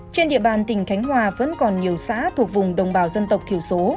trên địa bàn tỉnh khánh hòa vẫn còn nhiều xã thuộc vùng đồng bào dân tộc thiểu số